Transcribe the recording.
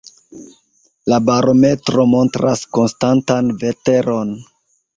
La barometro montras konstantan veteron.